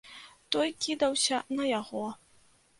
Той кідаўся на яго.